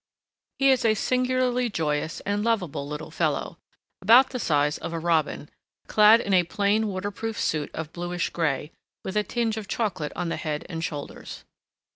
He is a singularly joyous and lovable little fellow, about the size of a robin, clad in a plain waterproof suit of bluish gray, with a tinge of chocolate on the head and shoulders.